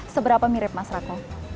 seberapa mirip mas rako